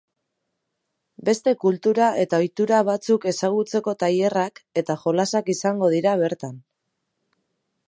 Beste kultura eta ohitura batzuk ezagutzeko tailerrak eta jolasak izango dira bertan.